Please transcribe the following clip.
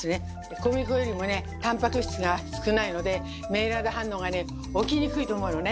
小麦粉よりもねタンパク質が少ないのでメイラード反応がね起きにくいと思うのね。